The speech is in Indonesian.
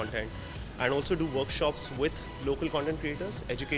dan juga melakukan workshop dengan creator konten lokal